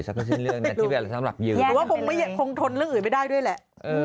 สักก็ชิ้นเรื่องนั้นที่แกเป็นอะไรสำหรับยืนหรือว่าผมทนเรื่องอื่นไม่ได้ด้วยแหละ